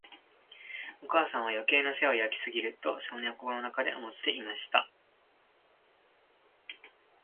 お母さんは、余計な世話を焼きすぎる、と少年は心の中で思っていました。